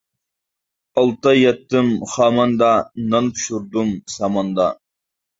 ئالتاي ياتتىم خاماندا، نان پىشۇردۇم ساماندا.